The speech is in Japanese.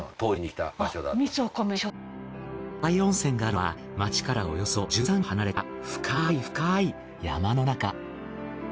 渡合温泉があるのは街からおよそ１３キロ離れた深い深い山の中。